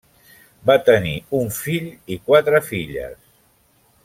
Va tenir un fill i quatre filles.